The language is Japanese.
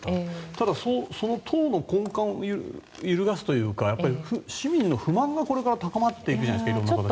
ただ、その党の根幹を揺るがすというか市民の不満がこれから高まっていくんじゃないですか色んな形で。